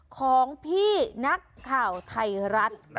ของพี่นักข่าวไทยรัฐ